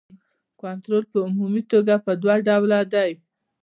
کنټرول په عمومي توګه په دوه ډوله دی.